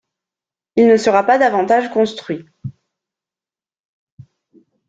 Il ne sera pas davantage construit.